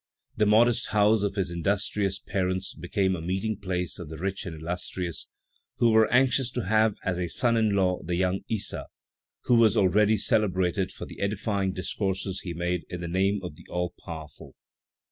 The modest house of his industrious parents became a meeting place of the rich and illustrious, who were anxious to have as a son in law the young Issa, who was already celebrated for the edifying discourses he made in the name of the All Powerful.